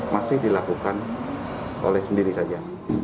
masih dilakukan oleh sendiri saja